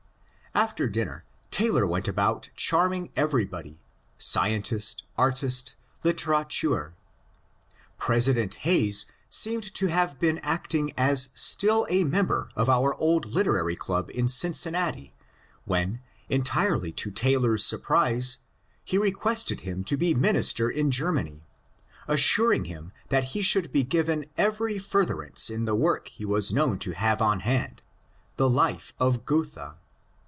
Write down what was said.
After dinner Taylor went about charming everybody — scientist, artist, litterateur. President Hayes seemed to have been act ing as still a member of our old Literary Club in Cincinnati when, entirely to Taylor's surprise, he requested him to be minister in Germany, assuring him that he should be given every furtherance in the work he was known to have on hand, the Life of Goethe.